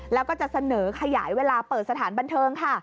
แล้วก็จะเสนอขยายเวลาเปิดสถานบันเทิงค่ะ